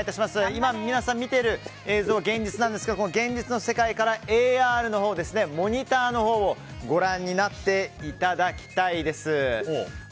今、皆さんが見てる映像は現実なんですがこの現実の世界からＡＲ、モニターのほうをご覧になっていただきたいです。